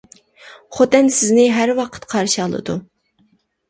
خوتەن سىزنى ھەر ۋاقىت قارشى ئالىدۇ.